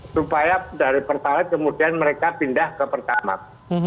supaya dari pertalite kemudian mereka pindah ke pertamak